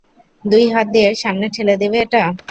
দুই হাত দিয়ে সামনে ঠেলে দেবে এটা।